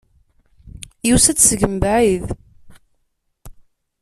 Yusa-d seg mebɛid.